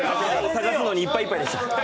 探すのにいっぱいいっぱいでした。